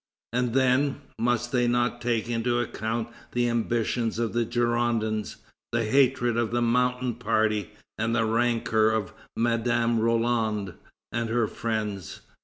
And then, must they not take into account the ambitions of the Girondins, the hatreds of the Mountain party, and the rancor of Madame Roland and her friends?